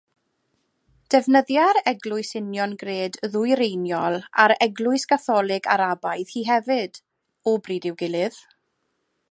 Defnyddia'r Eglwys Uniongred Ddwyreiniol a'r Eglwys Gatholig Arabaidd hi hefyd, o bryd i'w gilydd.